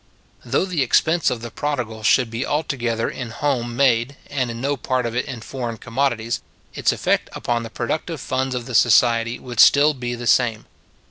Though the expense of the prodigal should be altogether in home made, and no part of it in foreign commodities, its effect upon the productive funds of the society would still be the same.